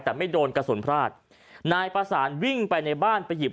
แต่ไม่โดนกระสุนพลาดนายประสานวิ่งไปในบ้านไปหยิบ